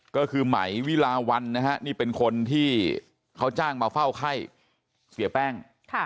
ก็คือไหมวิลาวันนะฮะนี่เป็นคนที่เขาจ้างมาเฝ้าไข้เสียแป้ง